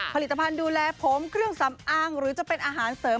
ผลิตภัณฑ์ดูแลผมเครื่องสำอางหรือจะเป็นอาหารเสริม